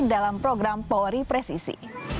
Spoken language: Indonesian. dalam program polri presisi